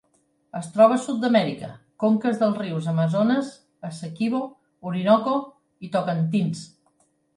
Es troba a Sud-amèrica: conques dels rius Amazones, Essequibo, Orinoco i Tocantins.